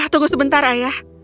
tunggu sebentar ayah